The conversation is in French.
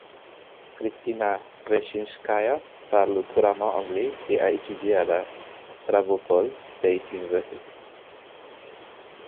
Kristina Svechinskaya parle couramment anglais et à étudié à la Stavropol State University.